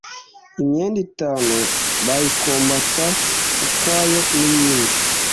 imyenda itanu bayikombata ukwayo n iyindi